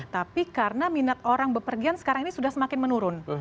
tapi karena minat orang berpergian sekarang ini sudah semakin menurun